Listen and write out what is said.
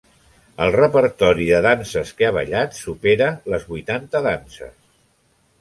El repertori de danses que ha ballat supera les vuitanta danses.